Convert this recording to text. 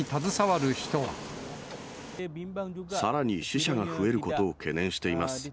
さらに死者が増えることを懸念しています。